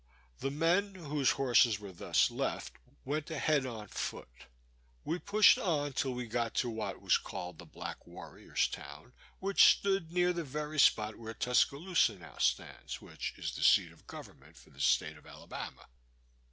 The men, whose horses were thus left, went ahead on foot. We pushed on till we got to what was called the Black Warrior's town, which stood near the very spot where Tuscaloosa now stands, which is the seat of government for the state of Alabama.